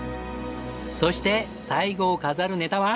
そして最後を飾るネタは？